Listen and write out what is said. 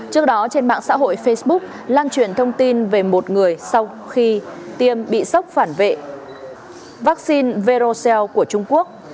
trước đó trên mạng xã hội facebook lan truyền thông tin về một người sau khi tiêm bị sốc phản vệ vaccine verocel của trung quốc